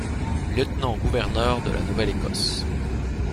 Lieutenant-gouverneur de la Nouvelle-Écosse.